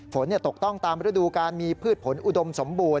ฝนตกต้องตามฤดูการมีพืชผลอุดมสมบูรณ